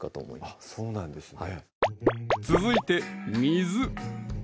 あっそうなんですね